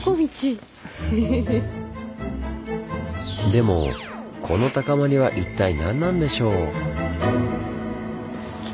でもこの高まりは一体何なんでしょう？